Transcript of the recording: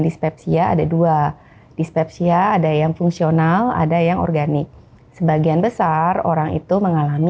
dispepsia ada dua dispepsia ada yang fungsional ada yang organik sebagian besar orang itu mengalami